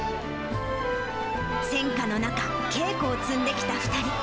戦禍の中、稽古を積んできた２人。